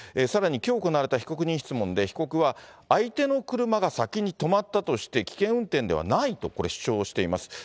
さらにきょう行われた被告人質問で、被告は、相手の車が先に止まったとして、危険運転ではないと、主張しています。